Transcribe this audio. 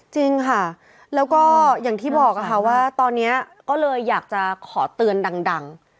จริงค่ะแล้วก็อย่างที่บอกค่ะว่าตอนนี้ก็เลยอยากจะขอเตือนดัง